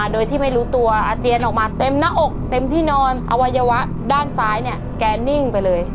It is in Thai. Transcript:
ด้านซ้ายเนี่ยแกนิ่งไปเลย